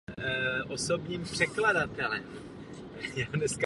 Vlastníkem celé stavby je společnost Delaware River Port Authority.